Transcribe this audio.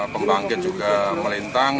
pembangkit juga melintang